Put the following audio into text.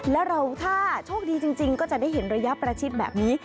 แล้วเราถ้าโชคดีจริงก็จะได้เห็นระยะประชิดแบบนี้